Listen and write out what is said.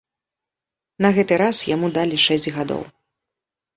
На гэты раз яму далі шэсць гадоў.